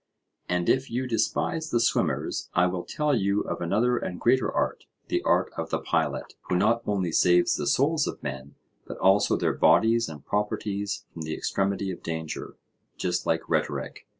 And if you despise the swimmers, I will tell you of another and greater art, the art of the pilot, who not only saves the souls of men, but also their bodies and properties from the extremity of danger, just like rhetoric.